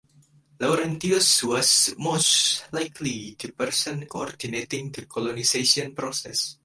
Laurentius was most likely the person coordinating the colonization process.